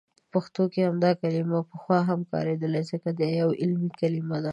په پښتو کې همدا کلمه پخوا هم کاریدلي، ځکه دا یو علمي کلمه ده.